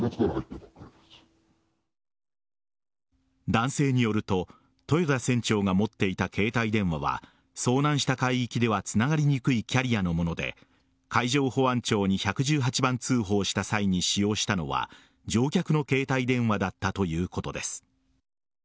男性によると豊田船長が持っていた携帯電話は遭難した海域ではつながりにくいキャリアのもので海上保安庁に１１８番通報した際に使用したのは乗客の携帯電話だったということです。